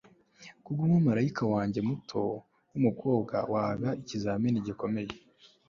kubwumumarayika wanjye muto wumukobwa waba ikizamini gikomeye